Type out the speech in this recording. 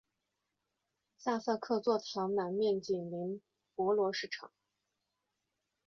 萨瑟克座堂南面紧邻博罗市场。